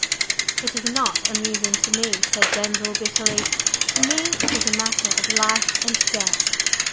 "It is not amusing to me," said Denzil, bitterly. "To me it is a matter of life and death."